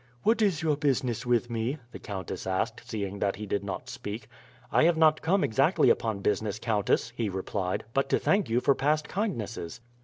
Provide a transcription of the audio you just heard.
"What is your business with me?" the countess asked, seeing that he did not speak. "I have not come exactly upon business, countess," he replied, "but to thank you for past kindnesses."